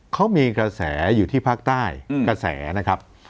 เขามีกระแสอยู่ที่ภาคใต้กระแสนะครับ